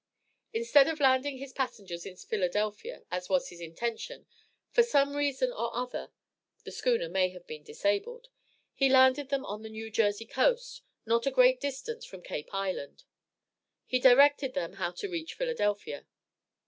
Instead of landing his passengers in Philadelphia, as was his intention, for some reason or other (the schooner may have been disabled), he landed them on the New Jersey coast, not a great distance from Cape Island. He directed them how to reach Philadelphia.